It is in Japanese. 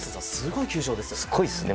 すごいですね。